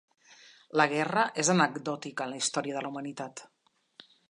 La guerra és anecdòtica en la història de la humanitat.